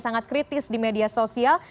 sangat kritis di media sosial